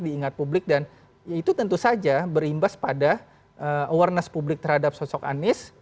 diingat publik dan ya itu tentu saja berimbas pada awareness publik terhadap sosok anies